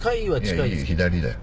いいよ左だよ。